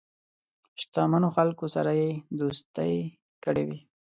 شته منو خلکو سره یې دوستی کړې وي.